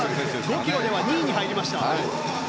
５ｋｍでは２位に入りました。